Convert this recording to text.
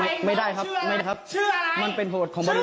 ผมก็ขึ้นไม่ได้เหมือนกันครับพี่